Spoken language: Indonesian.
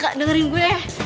kak dengerin gue